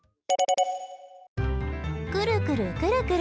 くる、くる、くる、くる。